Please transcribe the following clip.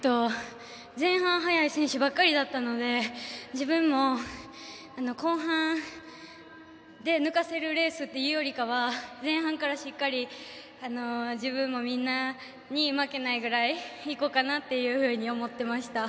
前半が速い選手ばっかりだったので自分も後半で抜かせるレースというよりは前半からしっかり自分もみんなに負けないぐらいいこうかなと思っていました。